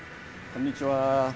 こんにちは。